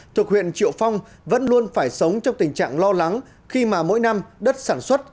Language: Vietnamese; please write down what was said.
thuộc huyện triệu phong vẫn luôn phải sống trong tình trạng lo lắng khi mà mỗi năm đất sản xuất